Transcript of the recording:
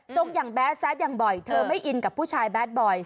อย่างแบดแซดอย่างบ่อยเธอไม่อินกับผู้ชายแดดบอย